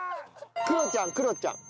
クロちゃんクロちゃん。